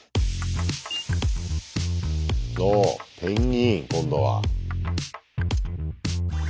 おおペンギン今度は。